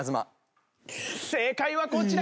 正解はこちら。